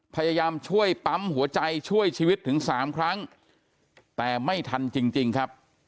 พยายามช่วยปั๊มหัวใจช่วยชีวิตถึงสามครั้งแต่ไม่ทันจริงครับ